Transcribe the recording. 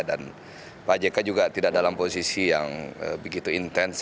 dan pak jk juga tidak dalam posisi yang begitu intens